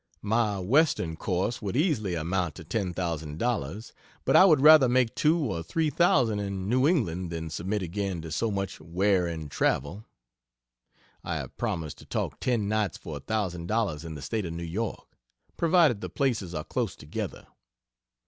My Western course would easily amount to $10,000, but I would rather make 2 or 3 thousand in New England than submit again to so much wearing travel. (I have promised to talk ten nights for a thousand dollars in the State of New York, provided the places are close together.)